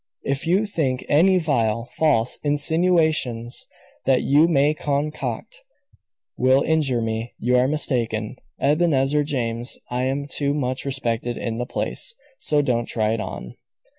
"If you think any vile, false insinuations that you may concoct will injure me, you are mistaken, Ebenezer James. I am too much respected in the place. So don't try it on."